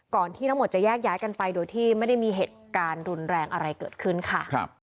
ที่ทั้งหมดจะแยกย้ายกันไปโดยที่ไม่ได้มีเหตุการณ์รุนแรงอะไรเกิดขึ้นค่ะ